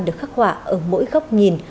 được khắc họa ở mỗi góc nhìn